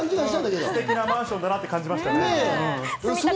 すてきなマンションだなって感じました。